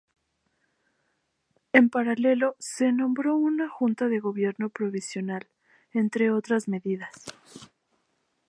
En paralelo, se nombró una Junta de Gobierno Provisional, entre otras medidas.